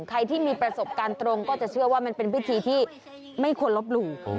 ใครที่มีประสบการณ์ตรงก็จะเชื่อว่ามันเป็นพิธีที่ไม่ควรลบหลู่